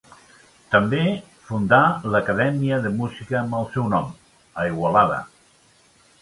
També fundà l'acadèmia de música amb el seu nom, a Igualada.